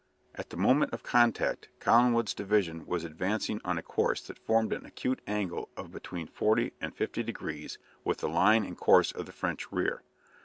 At the moment of contact Collingwood's division was advancing on a course that formed an acute angle of between forty and fifty degrees with the line and course of the French rear.